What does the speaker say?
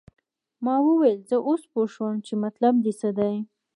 ما وویل زه اوس پوه شوم چې مطلب دې څه دی.